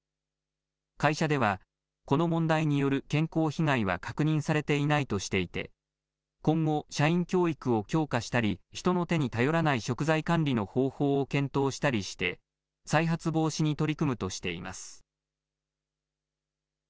会社では、この問題による健康被害は確認されていないとしていて、今後、社員教育を強化したり、人の手に頼らない食材管理の方法を検討したりして、再発防止に取り組むとしています。